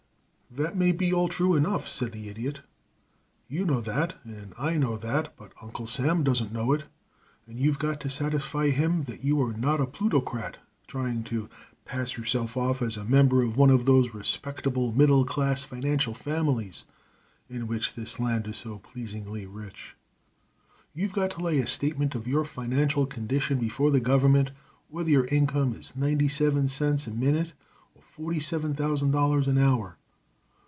"That may be all true enough," said the Idiot. "You know that, and I know that, but Uncle Sam doesn't know it, and you've got to satisfy him that you are not a plutocrat trying to pass yourself off as a member of one of those respectable middle class financial families in which this land is so pleasingly rich. You've got to lay a statement of your financial condition before the government whether your income is ninety seven cents a minute or forty seven thousand dollars an hour.